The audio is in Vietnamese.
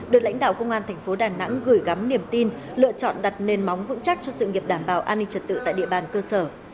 được lãnh đạo công an thành phố đà nẵng gửi gắm niềm tin lựa chọn đặt nền móng vững chắc cho sự nghiệp đảm bảo an ninh trật tự tại địa bàn cơ sở